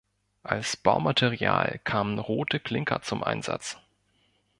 Als Baumaterial kamen rote Klinker zum Einsatz.